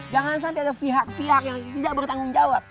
jangan sampai ada pihak pihak yang tidak bertanggung jawab